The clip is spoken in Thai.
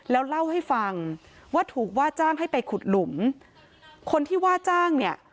แล้วเล่าให้ฟังว่าถูกว่าจ้างให้ไปขุดหลุมคนที่ว่าจ้างเนี่ย